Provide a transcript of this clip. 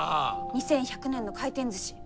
２１００年の回転ずし。